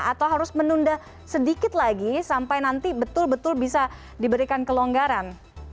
atau harus menunda sedikit lagi sampai nanti betul betul bisa diberikan kelonggaran